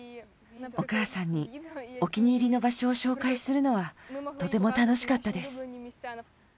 お母さんに、お気に入りの場所を紹介するのはとても楽しかったです。